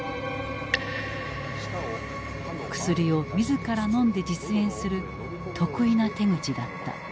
薬を自ら飲んで実演する特異な手口だった。